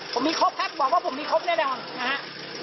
ผมมีครบครับบอกว่าผมมีครบแน่นอนนะฮะ